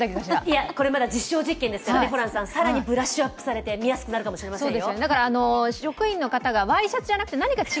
いや、これまだ実証実験ですから、更にブラッシュアップされるかもしれませんよ。